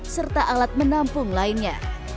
serta alat menampung lainnya